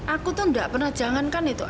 aku tuh gak pernah jangankan itu